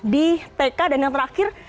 di tk dan yang terakhir